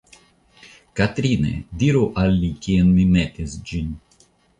Katrine, diru al li kien mi metis ĝin.